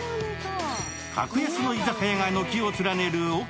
格安の居酒屋が軒を連ねるＯＫ